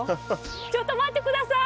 ちょっと待って下さい！